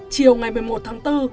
chiều một mươi một tháng bốn